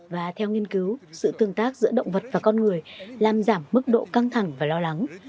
và theo nghiên cứu sự tương tác giữa động vật và con người làm giảm mức độ căng thẳng và lo lắng